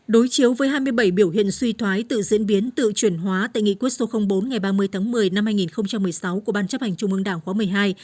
đối chiếu với hai mươi bảy biểu hiện suy thoái tự diễn biến tự chuyển hóa tại nghị quyết số bốn ngày ba mươi tháng một mươi năm hai nghìn một mươi sáu của ban chấp hành trung ương đảng khóa một mươi hai